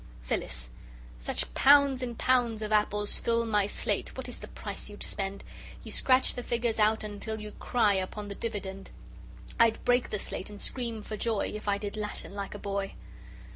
PHYLLIS Such pounds and pounds of apples fill My slate what is the price you'd spend? You scratch the figures out until You cry upon the dividend. I'd break the slate and scream for joy If I did Latin like a boy!